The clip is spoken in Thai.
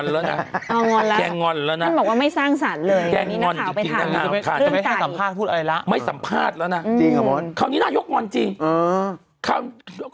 เลี้ยงไก่ก่อนนี้